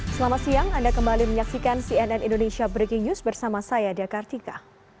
selamat siang anda kembali menyaksikan cnn indonesia breaking news bersama saya dea kartika